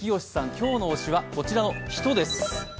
今日の推しはこちらの人です。